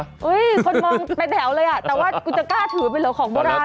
คุณมองไปแถวเลยแต่ว่ากูจะกล้าถือเป็นเหลือของโบราณนะ